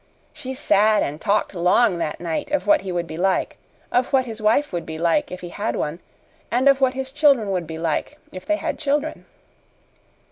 She sat and talked long that night of what he would be like, of what his wife would be like if he had one, and of what his children would be like if they had children.